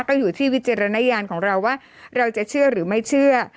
ก็อยู่ที่วิจารณญาณของเราว่าเราจะเชื่อหรือไม่เชื่อ